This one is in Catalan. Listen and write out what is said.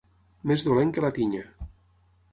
Més dolent que la tinya.